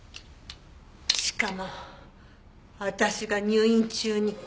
しかも私が入院中に。